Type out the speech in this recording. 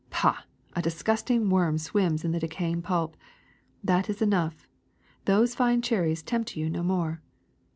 Pah! A disgusting worm swims in the decaying pulp. That is enough. Those fine cherries tempt you no more.